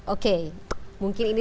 oke mungkin ini